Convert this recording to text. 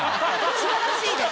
素晴らしいです。